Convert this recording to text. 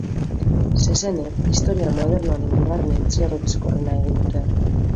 Zezenek historia modernoaren bigarren entzierro bizkorrena egin dute.